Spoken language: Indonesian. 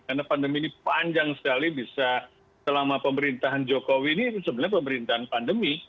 karena pandemi ini panjang sekali bisa selama pemerintahan jokowi ini sebenarnya pemerintahan pandemi